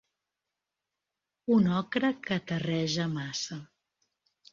Un ocre que terreja massa.